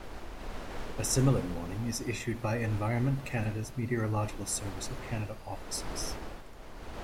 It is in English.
A similar warning is issued by Environment Canada's Meteorological Service of Canada offices.